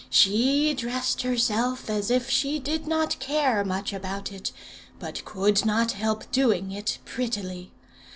She dressed herself as if she did not care much about it, but could not help doing it prettily.